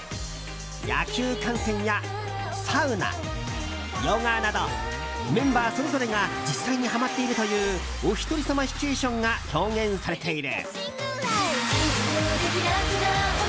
野球観戦やサウナ、ヨガなどメンバーそれぞれが実際にはまっているというおひとりさまシチュエーションが表現されている。